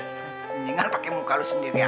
mendingan pakai muka lo sendiri aja